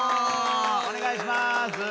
お願いします。